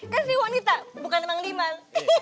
kan sri wanita bukan mang liman